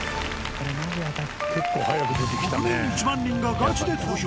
国民１万人がガチで投票！